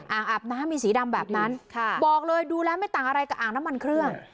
อาบน้ำมีสีดำแบบนั้นบอกเลยดูแล้วไม่ต่างอะไรกับอ่างน้ำมันเครื่อง